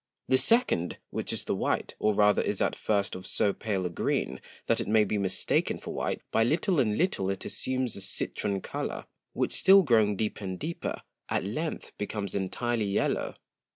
The Second, which is the White, or rather is at first of so pale a Green, that it may be mistaken for White; by little and little it assumes a Citron Colour, which still growing deeper and deeper, at length becomes entirely yellow.